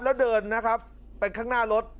แล้วเดินนะครับไปข้างหน้ารถ